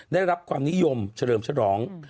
ได้รับความนิยมเฉลิมฉลอง